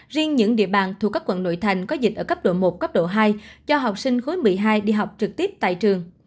riêng những địa bàn thuộc các quận nội thành có dịch ở cấp độ một cấp độ hai cho học sinh khối một mươi hai đi học trực tiếp tại trường